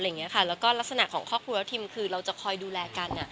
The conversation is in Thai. แล้วก็ลักษณะของครอบครัวแล้วทิมคือเราจะคอยดูแลกัน